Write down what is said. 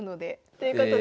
ということで。